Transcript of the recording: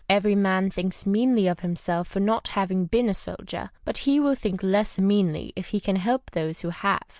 Every man thinks meanly of himself for not having been a soldier ; but he ^vill think less meanly if he can help those wlio have.